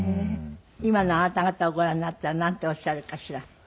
今のあなた方をご覧になったらなんておっしゃるかしら？